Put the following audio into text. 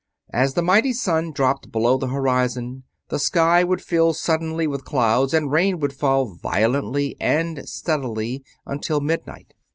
As that mighty sun dropped below the horizon the sky would fill suddenly with clouds and rain would fall violently and steadily until midnight.